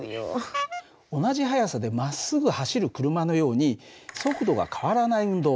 同じ速さでまっすぐ走る車のように速度が変わらない運動